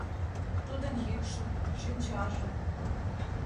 Тудын йӱкшӧ, шинчаже